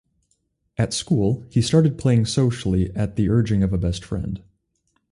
At school, he started playing socially at the urging of a best friend.